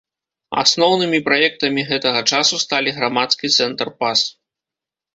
Асноўнымі праектамі гэтага часу сталі грамадскі цэнтр пас.